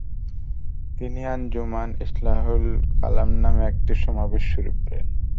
তিনি আঞ্জুমান ইসলাহুল কালাম নামে একটি সমাবেশ শুরু করেন।